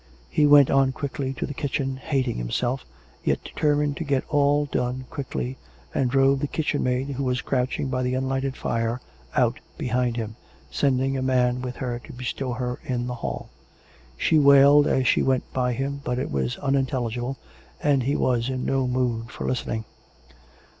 He went on quickly to the kitchen, hating himself, yet determined to get all done quickly, and drove the kitchen maid, who was crouching by the unlighted fire, out behind him, sending a man with her to bestow her in the hall. She wailed as she went by him, but it was unintelli gible, and he was in no mood for listening.